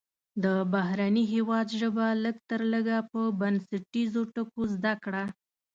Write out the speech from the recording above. د بهرني هیواد ژبه لږ تر لږه په بنسټیزو ټکو زده کړه.